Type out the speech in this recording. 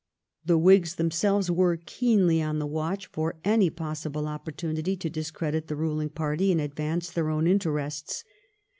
The Whigs themselves were keenly on the watch for any possible opportunity to discredit the ruling party and advance their own interests.